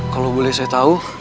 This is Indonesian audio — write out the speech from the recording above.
kalau boleh saya tahu